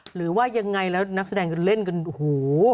หรือว่ายังไงแล้วนักแสดงก็เล่นกันโอ้โห